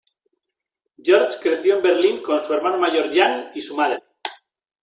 George creció en Berlín con su hermano mayor Jan y su madre.